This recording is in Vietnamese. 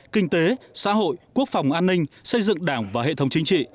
kinh tế xã hội quốc phòng an ninh xây dựng đảng và hệ thống chính trị